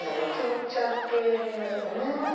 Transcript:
金茶系になりましたね。